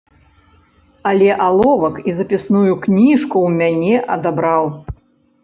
Але аловак і запісную кніжку ў мяне адабраў.